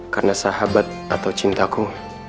karena sahabat atau cintaku